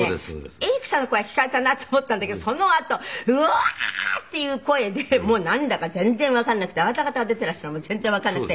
エリックさんの声は聞こえたなと思ったんだけどそのあと「うわー！」っていう声でもうなんだか全然わかんなくてあなた方が出ていらっしゃるのも全然わかんなくて。